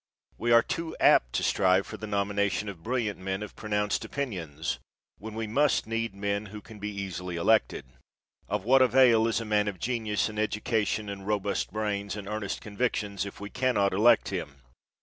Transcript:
We are too apt to strive for the nomination of brilliant men of pronounced opinions when we must need men who can be easily elected. Of what avail is a man of genius and education and robust brains and earnest convictions if we cannot elect him?